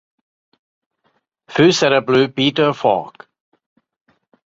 Főszereplő Peter Falk.